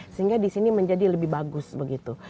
sehingga di sini menjadi lebih bagus begitu